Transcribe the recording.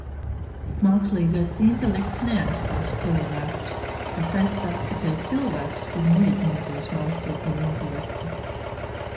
Mākslīgais intelekts neaizstās cilvēkus, tas aizstās tikai cilvēkus, kuri neizmantos mākslīgo intelektu.